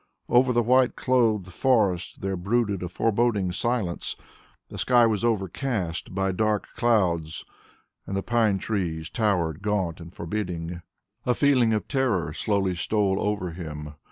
Over the white clothed forest there brooded a foreboding silence; the sky was overcast by dark clouds and the pine trees towered gaunt and forbidding. A feeling of terror slowly stole over him.